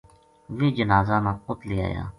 ویہ جنازا نا اُت لے آیا